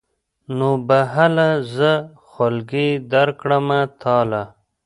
نو به هله زه خولګۍ درکړمه تاله.